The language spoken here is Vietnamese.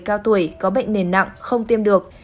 cao tuổi có bệnh nền nặng không tiêm được